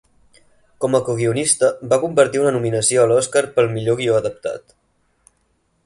Com a coguionista, va compartir una nominació a l'Oscar pel "Millor Guió Adaptat".